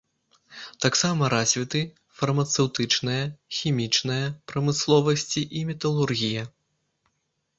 Таксама развіты фармацэўтычная, хімічная прамысловасці і металургія.